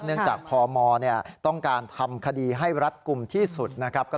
เนื่องจากพมต้องการทำคดีให้รัฐกลุ่มที่สุดนะครับ